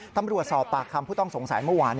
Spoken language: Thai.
ตำรวจสอบปากคำผู้ต้องสงสัยเมื่อวาน